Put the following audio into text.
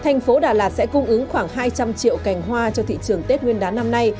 thành phố đà lạt sẽ cung ứng khoảng hai trăm linh triệu cành hoa cho thị trường tết nguyên đán năm nay